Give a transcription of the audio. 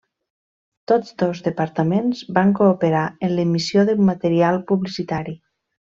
Tots dos departaments van cooperar en l'emissió de material publicitari.